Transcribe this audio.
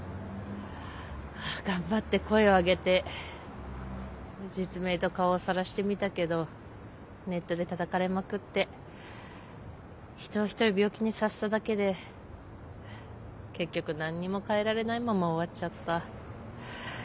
頑張って声を上げて実名と顔をさらしてみたけどネットでたたかれまくって人を一人病気にさせただけで結局何にも変えられないまま終わっちゃった。